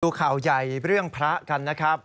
ข่าวใหญ่เรื่องพระกันนะครับ